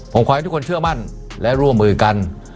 ผมขอให้ทุกคนเชื่อมั่นและร่วมมือกัน